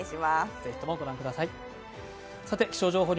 ぜひとも御覧ください。